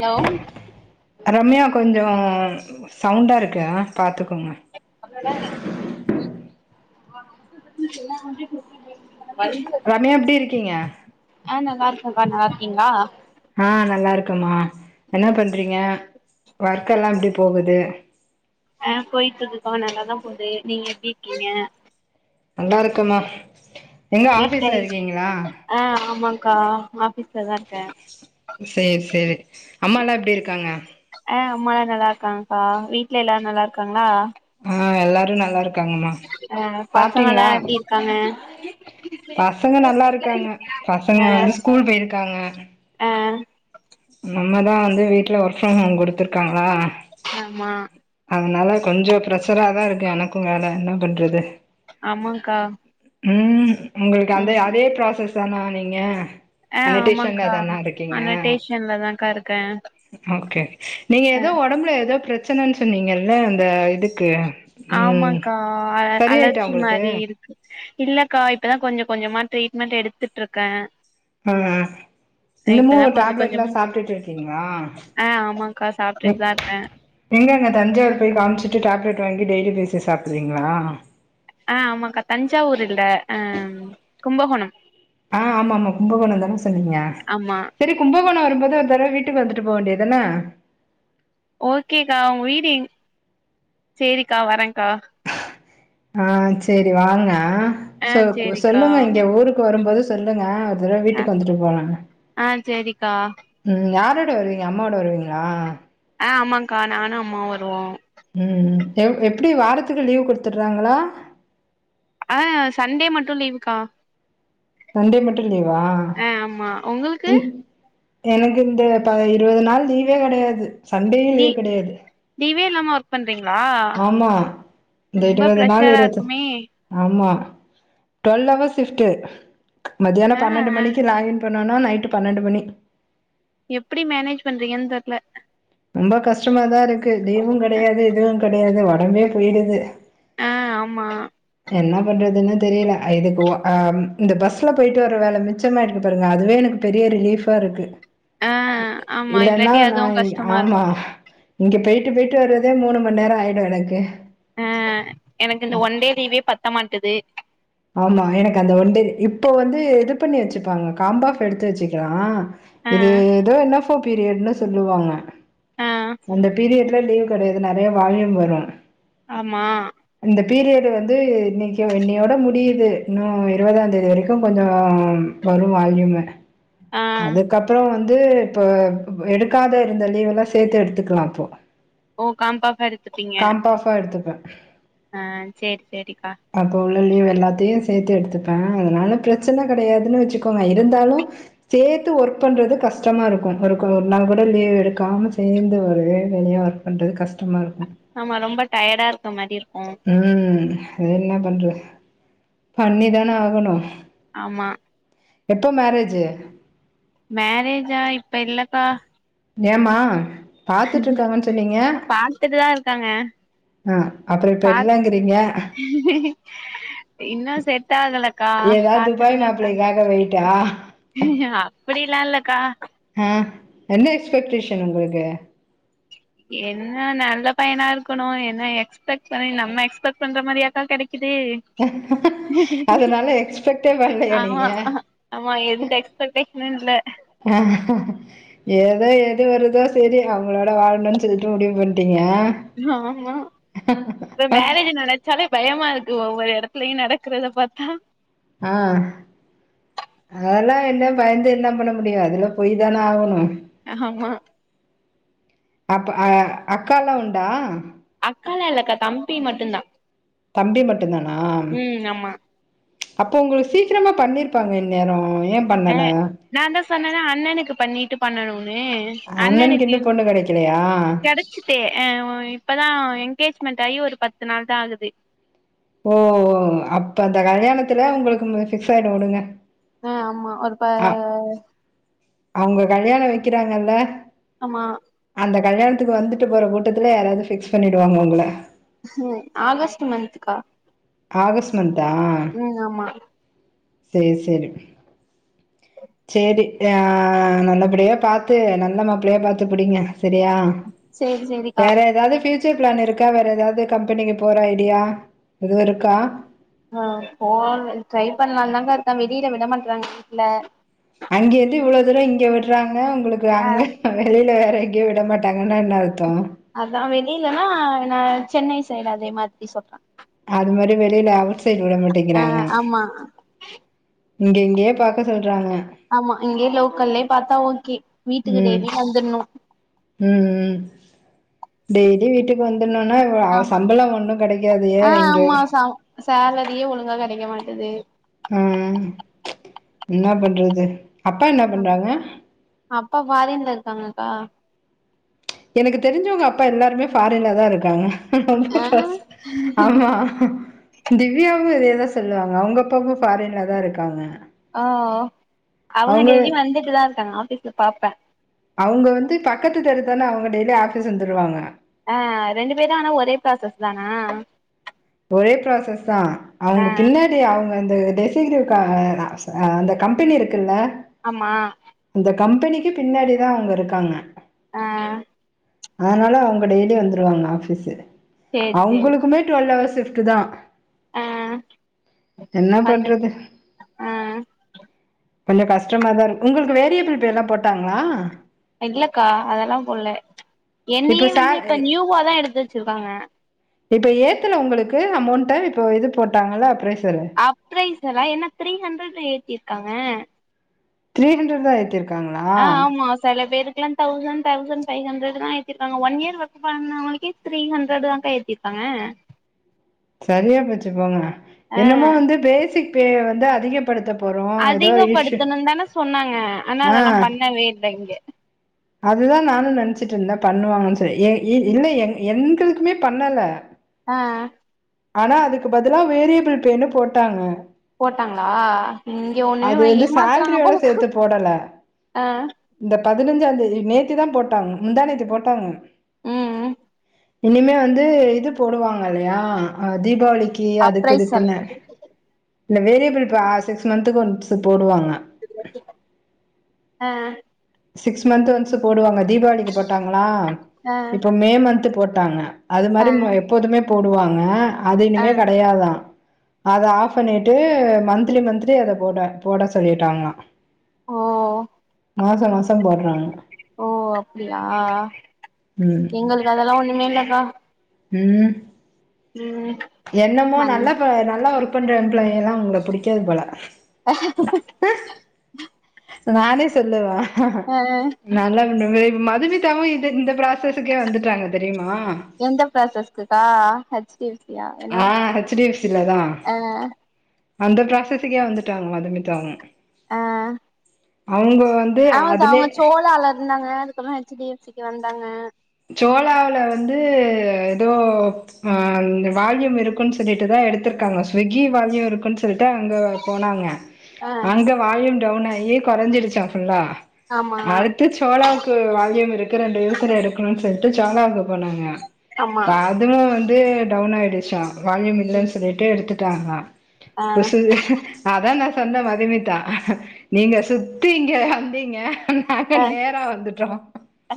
Hello Ramya கொஞ்சொ சவ்ண்டா இருக்கா பாத்துக்கோங்க அவ்ள தான [unintelligible] ரம்யா எப்டி இருக்கீங்க ஆ நல்லா இருக்கே கா நல்லா இருக்கீங்ளா ஆ நல்லா இருக்கம்மா என்ன ம் பண்றீங்க ஒர்க்கெல்லா எப்டி போகுது ஆ போய்ட்டு இருக்குகா நல்லாதா போது நீங்க எப்டி இருக்கீங்க நல்லா இருக்கமா. வீக்டைல்ஸ் ஆ ஆமாங்க்கா ஆஃபீஸ்லதா இருக்கெ சேரி சேரி அம்மா எல்லா எப்டி இருக்காங்க? ஆ அம்மா‌ல்லா நல்லா இருக்காங்கக்காவீட்ல எல்லாரு நல்லா இருக்காங்ளா? ஆ எல்லாரு நல்லா இருக்காங்கம்மா சாப்ட்டீங்ளா க்காங்க பசங்க நல்லா இருக்காங்க பசங்க வந்து ஸ்கூல் போயிருக்காங்க அ நம்மதா வந்து வீட்ல ஒர்க் ஃப்ரம் ஹோம் குடுத்துருக்காங்ளா ஆமா அதனால கொஞ்சோ பிரஷராதா இருக்கு எனக்கு வேல என்ன பண்றது ஆமாங்க்கா ம் உங்களுக்கு அந்தே அதே ப்ராசஸ்தானா நீங்க ஆ அனடேஷன்ல ஆமாங்க்கா. தானா இருக்கீங்க அனடேஷன்லதாங்க்கா இருக்க ஓகே நீங்க எதோ ஒடம்புல எதோ ப்ரச்சனன்னு சொன்னீங்கல்ல அந்த இதுக்கு ம் ஆமாங்க்கா சரியாயிட்டா அலர்ஜி உங்களுக்கு மாரி இரு இல்லக்கா இப்பதா கொஞ்ச கொஞ்சமா ட்ரீட்மெண்ட் எடுத்துட்டு இருக்க. ம் இன்னுமு கொஞ்ச டேப்லெட் எல்லா கொஞ்சம் சாப்ட்டுட்டு இருக்கீங்ளா ஆ ஆமாக்கா சாப்ட்டுட்டு தா இருக்கே எங்க அங்க தஞ்சாவூர் போய் காம்ச்சுட்டு டேப்லெட் வாங்கி டெய்லி பேசிஸ் சாப்புடுவீங்ளா ஆ ஆமாங்க்கா தஞ்சாவூர் இல்ல அ கும்பகோணம் ஆ ஆமாமா கும்பகோணந்தான சொன்னீங்க ஆமா செரி கும்பகோணோ வரும்போது ஒரு தரவ வீட்டுக்கு வந்துட்டு போ வேண்டிதான ஓகேக்கா‌. உங்க வீடு எ சேரிக்கா வர்றங்க்கா ஆ சேரி வாங்க ஆ சொ சேரிக்கா சொல்லுங்க இங்க ஊருக்கு வரும்போது சொல்லுங்க. ஒரு தரவ ஆ வீட்டுக்கு வந்துட்டு போலாங்க ஆ சேரிக்கா ம் யாரோட வருவீங்க அம்மா ஓட வருவீங்ளா? ஆ ஆமாங்க்கா நானு அம்மாவு வருவோ. ம் ம் எ எப்டி வாரத்துக்கு லீவ் குடுத்தர்றாங்ளா ஆ சண்டே மட்டு லீவுக்கா சண்டே மட்டு லீவா ஆ ஆமா உங்களுக்கு இ எனக்கு இந்த ப இருவது நாள் லீவே கெடயாது சண்டேயு லீ லீவ் கெடயாது. லீவே இல்லாம ஒர்க் பண்றீங்ளா ஆமா இந்த ரொம்ப இருவது நாள் ப்ரெஷரா இருவத்து இருக்குமே ஆமா டுவெல் அவர்ஸ் ஷிஃப்டு. மத்தியானோ ஆ ஆ பன்னெண்டு மணிக்கு லாங்கின் பண் ணோனா நைட்டு பன்னெண்டு மணி எப்டி மேனேஜ் பண்றீங்கன்னு தெர்ல. ரொம்ப கஷ்டமாதா இருக்கு லீவுங் கெடயாது எதுவுங் கெடயாது ஒடம்பே போய்டுது. ஆ ஆமா என்ன பண்றதுன்னு தெரில இதுக்கு ஒ அ இந்த பஸ்ல போயிட்டு வர்ற வேல மிச்சமாாயிருக்கு பாருங்க அதுவே எனக்கு பெரிய ரிலீஃபா இருக்கு ஆ ஆமா இல்லனா இல்லாட்டி நா அதுவு கஷ்டமா இருக்கு ஆமா இங்க போயி்ட்டு போயிட்டு வர்றதே மூணு மண் நேரோ ஆயிடு எனக்கு ஆ எனக்கு இந்த ஒன் டே லீவே பத்த மாட்டது ஆமா எனக்கு அந்த ஒண்டே இப்ப வந்து இது பண்ணி வெச்சுப்பாங்க காம்பாஃப் எடுத்து வெச்சுக்கலா ஆ இது எதோ என்எஃப்ஓ பீரியட்டுனு சொல்லுவாங்க ஆ அந்த பீரியட்ல லீவ் கெடையாது நெறையா வால்யும் வரு ஆமா இந்த பீரியடு வந்து இன்னிக்கி இன்னையோட முடி முடியுது இன்னு இருவதா தேதி வரைக்கு கொஞ்சோ வரு வால்யூமு ஆ அதுக்கப்றோ வந்து இப்போ எடுக்காத இருந்த லீவெல்லா சேத்து எடுத்துக்கலா அப்போ ஓ காம்பாஃபா எடுத்துப்பீங்க காம்பாஃபா எடுத்துப்ப ஆ சேரி சேரி சேரிக்கா அப்போ உள்ள லீவ் எல்லாத்தையு சேத்து எடுத்துப்ப அதனால பிரச்சன கெடையாதுனு வெச்சுக்கோங்க இருந்தாலு சேத்து ஒர்க் பண்ணுறது கஷ்டமா இருக்கு ஒரு ஒரு நாள் கூட லீவ் எடுக்காம சேந்து ஒரே வேலயா இருக்கு பண்றது கஷ்டமா இருக்கு ஆமா ரொம்ப டயேர்டா இருக்க மாரி இருக்கு ம் அது என்ன பண்றது பண்ணிதான ஆகணு ஆமா எப்போ மேரேஜு மேரேஜா இப்ப இல்லக்கா ஏம்மா பாத்துட்டு இருக்காங்கன்னு சொன்னீங்க பாத்துட்டுதா இருக்காங்க ஆ அப்புறோ இப்ப பா இல்லங்கிறீங்க இன்னு செட் ஆகல க்கா ஏதாவது பாத்துட்டு துபாய் தா இருக்காங்க மாப்பிள்ளைக்காக வெயிட்டா அப்பிடி எல்லா இல்லக்கா ஆ என்ன எக்ஸ்பெக்டேஷன் உங்களுக்கு என்ன நல்ல பயனா இருக்குணு என்ன எக்ஸ்பெக்ட் பண்ணி நம்ம எக்ஸ்பெக்ட் பண்ற மாரியாக்கா கெடைக்குது அதனால எக்ஸ்பெக்டே பண்ணலையா ஆமா நீங்க ஆமா எந்த எக்ஸ்பர்ட்டே இல்ல ஏதோ எது வருதோ செரி அவுங்களோட வாழ்ணு சொல்லிட்டு முடிவு ப அப்டியா ஆமா இப்ப மேரேஜ் நெனச்சாலே பயமா இருக்கு ஒவ்வொரு எடத்துலயு நடக்குறத பாத்தா ஆ அதெல்லா என்ன பயந்து என்ன பண்ண முடியு அதுல போய் தான ஆகணு ஆமா அப்ப அக்காலா உண்டா அக்காலா இல்லக்கா தம்பி மட்டு தா தம்பி மட்டு தானா ஆமா அப்போ உங்குளுக்கு சீக்கிரமா பண்ணிருப்பாங்களே இன்நேரோ ஏ பண்ணல நா தா சொன்னல அண்ணனுக்கு பண்ணிட்டு பண்ணணுன்னு அண்ணனுக்கு அண்ணணுக்கு இன்னு பொண்ணு கெடைக்கலையா கெடச் ச்சு இப்பதா எங்கேஜ்மெண்ட் ஆகி ஒரு பத்து நாள் தா ஆகுது ஓ அப்ப அந்தக் கல்யாணத்துல உங்குளுக்கு ஃபிக்ஸ் ஆயிடு வுடுங்க ஆ ஆமா ஒரு ப அவுங்க கல்யாணோ வைக்கிறாங்கல்ல ஆமா அந்த கல்யாணத்துக்கு வந்துட்டு போற கூட்டத்துல யாராவது ஃபிக்ஸ் பண்ணிடுவாங்க உங்கள ஆகஸ்ட் மந்த்க்கா ஆகஸ்ட் மந்த் தா ம் ஆமா சேர் சேரி சேரி ஆ நல்லபடியே பாத்து நல்ல மாப்ளையா பாத்து புடிங்க சேரியா சேரி சேரிக்கா வேற எதாது பேசு ப்யூச்சர் பிளான் இருக்கா வேற எதாவது கம்பெனிக்கு போற ஐடியா எதுவு இருக்கா ஆ போல ட்ரை பண்லான் தாங்க்கா இருக்க வெளில விட மாட்றாங்க வீட்ல அங்க இருந்து இவ்ளோ தூரம் இங்க விட்றாங்க உங்களுக்கு ஆ அங்க வெளில வேற எங்கயு விட மாட்டாங்கனா என்ன அர்த்த அதா வெளிலனா நா சென்னை சைடு அதே மாதிரி சொல்ற அது மாரி வெளில அவுட் சைட் விட ஆ மாட்டகிறாங்க ஆமா இங்க இங்கயே பாக்க சொல்றாங்க ஆமா இங்கே லோக்கல்லயே பாத்தா ஓகே வீட்டுக்கு ம் டேய்லி வந்துர்ணு ம் ம் டெய்லி வீட்டுக்கு வந்துர்ணுனா ஆமா சம்பள ஒன்னு கெடைக்காது ஏ இங்க சேலரியு ஒழுங்கா கெடைக்க மாட்டது ம் என்னா பண்றது அப்பா என்ன பண்றாங்க அப்பா ஃபாரின்ல இருக்காங்கக்கா எனக்கு தெரிஞ்சவங்க அப்பா எல்லாருமே ஃபாரின்லதா இருக்காங்க ரோம்ப ஆ கஷ் ஆமா திவ்யாவு இதே தா சொல்லுவாங்க அவுங்க அப்பாவு ஃபாரின்லதா இருக்காங்க ஓ அவுங்க அவங்க டெய்லியும் வந்துட்டு தா இருக்காங்க ஆஃபீஸ்ல பாப்ப அவுங்க வந்து பக்கத்து தெரு தான அவுங்க டெய்லி ஆஃபிஸ் வந்துருவாங்க ஆ ரெண்டு பேரு ஆனா ஒரே ப்ராசஸ் தானா ஒரே ப்ராசஸ் தா ஆ அவுங்க பின்னாடி அவுங்க அந்த டெசஞ்சர் கார் வேணா அந்தக் கம்பெனி இருக்குல ஆமா அந்த கம்பெனிக்கு பின்னாடி தா அவங்க இருக்காங்க ஆ அதனால அவங்க டெய்லி வந்துருவாங்க ஆஃபீஸ்ஸு சேரி சேரி அவங்களுக்குமே டுவெல் ஹவர்ஸ் சிர்க்குதா அ வந்து பண்றது ஆ கொஞ்சோ கஷ்டமாதா இருக்கு உங்களுக்கு வேரியபிள் பேலா போட்டாங்களா இல்லக்கா அதெல்லா போட்ல இப்ப என்னயே சே வந்து இப்ப நியூவாதா எடுத்து வச்சிருக்காங்க இப்போ ஏத்துல உங்களுக்கு அமௌவுண்ட இப்போ இது போட்டாங்கலே பிரேஸ்சரு அப்ரைஸ் எல்லா என்னா த்ரீ ஹண்ட்ரட் ஏத்திர்காங்க த்ரீ ஹண்ட்ரட் தா ஏத்திர் ஆ ஆமா செல பேருக்லா தௌசண்ட் தௌசண்ட் ஃபை ஹண்ட்ரட் தா ஏத்திருக்காங்க ஒன் இயர் ஒர்க் பண்ணவங்களுக்கே த்ரீ ஹண்ட்ரட்தாக்கா ஏத்திருக்காங்க சரியா போச்சு போங்க ஆ என்னமோ வந்து பேசிக் பே வந்து அதிக படுத்த போறோ ஏதோ ஒரு இஷ்யூ அதிகப்படுத்தணும்னு தான சொன்னாங்க ஆனா ஆ அதெல்லா பண்ணவே இல்ல இங்க அதுதா நானுமே நெனைச்சிட்டு இருந்த பண்ணுவாங்கன் சொல்லி இல்ல எ ஏ எங்களுக்குமே பண்ணல ஆ ஆனா அதுக்கு பதிலா வேரியபிள் பே னு போட்டாங்க போட்டாங்களா இங்க ஒன்னுமே அது இவ வந்து ஏமாத்துறாங்கப் சேல்ரியோட போலக்கா சேத்து போடல ஆ இந்த பதினஞ்சான் தேதி நேத்து தா போட்டாங்க முந்தா நேத்து போட்டாங்க ம் இனிமே வந்து இது போடுவாங்க இல்லயா தீபாவளிக்கு அதுக்கு அப்ரைசல் இதுக்குன்னு இல்ல வேரியபிள் பிராசிக்ஸ் மந்த்துக்கு ஒன்சு போடுவாங்க அன் சிக்ஸ் மந்த் ஒன்ஸு போடுவாங்க தீபாவளிக்கு போட்டாங்ளா ஆ இப்ப மே மன்த்து போட்டாங்க அது ஆ மாரி மு எப்போதுமே போடுவாங்க அது ஆ இனிமே கெடையாதான் அத ஆஃப் பண்ணிட்டு மந்த்லி மந்த்லி அத போட போட சொல்லிட்டாங்களாம் ஓ இந்த மாசம் போட்றாங்க ஓ அப்டியா ம் எங்களுக்கு அதெல்லா ஒண்ணுமே இல்லக்கா ம் ம் என்னமோ மணி நல்லா ப நல்லா ஒர்க் பண்ற எம்ப்ளாயல்லா உங்கள புடிக்காது போல நானே சொல்லுவ ஆ நல்ல [unintelligible] மதுமித் தாவுமே இ இந்த ப்ராசஸ்க்கே வந்துட்டாங்க தெரியுமா எந்த ப்ராசஸ்க்குக்கா ஹச் டி சி யா என்ன ஆ ஹச் டி எப் சில தா ஆ அந்த ப்ராசஸ்கே வந்துட்டுடாங்க மதுமிதாவு ஆன் அவ்ங்க வந் அவுங்கச் சோளால இருந்தாங்க அதுக்கப்பறோ ஹெச் டி எஃ சி க்கு வந்தாங்க சோளாவ்ல வந்து எதோ ஆ வால்யூம் இருக்குன்னு சொல்லிட்டுதா எடுத்திருக்காங்க ஸ்விகி வால்யூ இருக்குன்னு சொல்லிட்டு அங்க போனாங்க ஆ அங்க வால்யூம் டவுன் ஆகி கொறைஞ்சிருச்சான் ஃபுல்லா ஆமா அடுத்து சோளாவுக் க்கு வால்யூம் இருக்கற ரெண்டு யூசர் எடுக்ணுனு சொல்ட்டு சோழாக்கு போனாங்க ஆமா அதுவும் வந்து டவுன் ஆயிடுச்சான் வால்யூம் இல்லன்னு சொல்லிட்டு எடுத்துட்டாங்க ஆ இப்ப சு அதான் நான் சொன்னேன் மதுமிதா நீங்க சுத்தி இங்க வந்தீங்க நாங்க நேரா வந்துட்டோம் ஆ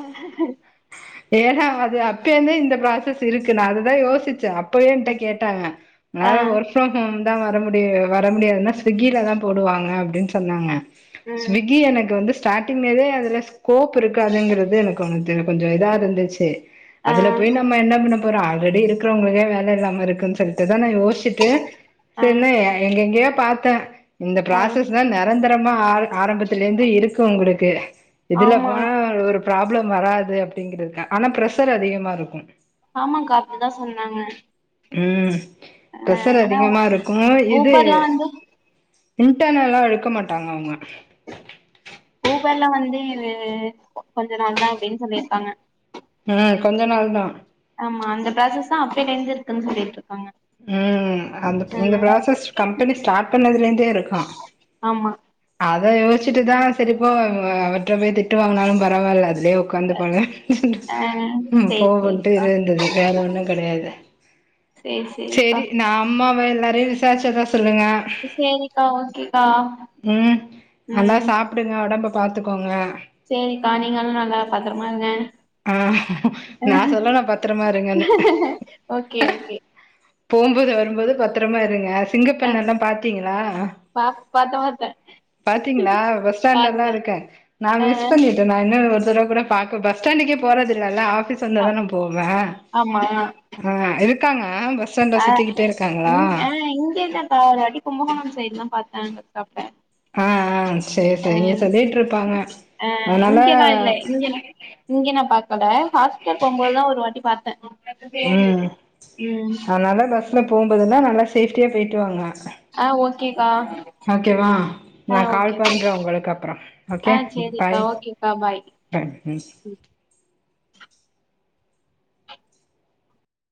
ஏ ஹம் அது அப்பேந்தே இந்த ப்ராசஸ் இருக்கு நான் அதுதான் யோசிச்சேன் அப் ப்பயே ஏன்ட்ட கேட்டாங்க ஆ னால ஒர் க் ஃப்ரம் ஹோம் தா வர முடி வர முடியாதுன்னா ஸ்விக்கில தா போடுவாங்க அப்டின்னு சொன்னாங்க ம் ஸ்விகி எனக்கு வந்து ஸ்டார்டிங்மேலே அதுல ஸ்கோப் இருக்காதுங்கறது எனக்கு ஒன்ணு தெ கொஞ்சோ இதா இருந்துச்சு ஆ அதுல போய் நம்ம என்னப் பண்ண போற ஆல்ரெடி இருக்கிறவங்கக்கே வேல இல்லாம இருக்குனு சொல்லிட்டுதா நா யோசிட் ட்டு ஆ பின்ன எங்க எங்கய பாத்தே இந்த ஆ ப்ராசஸ் தா நெரந்தரமா ஆ ஆரம்பத்தல ந்து இருக்கு உங்குளுக்கு இதுல ஆமா போனா ஒரு ப்ராபளம் வரா து அப்டிங் ருக்க ஆனா ப்ரஷர் அதிகமா இருக்கும் ஆமாங்கா அப்டிதா சொன்னாங்க ம் ஆ பிரசர் ஆனா அதிகமா இருக்கும் இது ஊபர்லா வந்து இன்டர்னல்லா இழுக்க மாட்டாங்க அவுங்க ஊபர்ல வந்து இது கொஞ்ச நாள்தா அப்டின்னு சொல்லிருக்காங்க ஆ கொஞ்ச நாள் தான் ஆமா அந்த ப்ராசஸ் தா அப்பேல இருந்து இருக்குன்னு சொல்லிட்டு இருக்காங்க ம் அந்த ஆ இந்த ப்ராசஸ் கம்பெனி ஸ்டார்ட் பண்ணதலந்தே இருக்கான் ஆமா அத யோச்சிட்டு தா சரி போ அவற்றவேது திட்டு வாங்னாலு பரவால அதுலயே ஒக்காந்துபானு ஆ ம் சேரி போகுன்ட்டு சேரிக்கா இருந்துது வேற ஒன்னு கெடையாது சேரி சேரிப்பா அம்மாவ எல்லாரையு விசாரச்சதா சொல்லுங்க சேரிகா ஓகேக்கா ம் நல்லா ம் சாப்டுங்க ஒடம்ப பாத்துக்கோங்க சேரிகா நீங்களா நல்லா பாத்ரமா இருங்க ஆ நா சொல்லணு பத்திரமா இருங்கன்னு ஓகே ஓகே போ போது வருபோது பத்தரமா இருங்க ஆ சிங்கப்பெண்ணல்லா பாத்தீங்களா பா பாத்த பாத்த பாத்தீங்ளா பாத்த பஸ்டாண்லலல்லா இருக்க நா ஆ மிஸ் பண்ணிட்ட நா இன்னு ஒரு தரவ கூட பாக்க பஸ்டாண்டுக்கே போறதில்லல்ல ஆபீஸ் ஆ வந்தாதான போவே ஆமா ஆ இருக்காங்க பஸ் ஸ்டாண்ட்ல அ சுத்திக்கிட்டே இருக்காங்களா இங் ஆ இங்கதா தா பா அது அடி கும்பகோண சைடு தா பாத்தாங்க சாப்ட்ட ஆ ஆ சேரி அ சேரி இங்க சொல்லிட்ருப்பாங்க அ அதனால இங்கலா இல்ல இங்க இங்க நா பாக்கல ஹாஸ்பிட்டல் போகு போதுதா ஒரு வாட்டி பாத்த ம் ம் அதனால பஸ்ல போகுபோதெல்லா நல்லா சேஃப்டியா போய்ட்டு வாங்க ஆ ஓகேக்கா ஓகேவா ஆ நா ஓகே கால் பண்ற உங்களுக்கு அப்புற ஆ ஓகே சேரிக்கா பாய் ஓகேக்கா ம் பாய் ம்